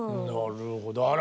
なるほど。